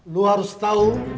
lo harus tau